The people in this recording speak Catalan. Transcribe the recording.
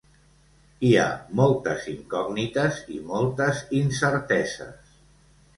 Hi ha moltes incògnites i moltes incerteses.